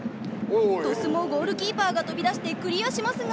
鳥栖もゴールキーパーが飛び出してクリアしますが。